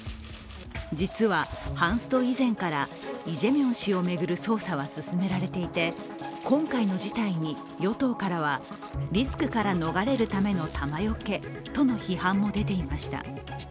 実は、ハンスト以前からイ・ジェミョン氏を巡る捜査は進められていて今回の事態に与党からはリスクから逃れるための弾よけ用との批判も出ていました。